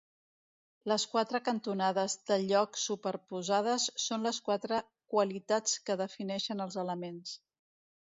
Les quatre cantonades del lloc superposades són les quatre qualitats que defineixen els elements.